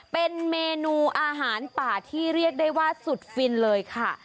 เป็นเมนูอาหารป่าที่เรียกได้ว่าสุดฟินเลยค่ะ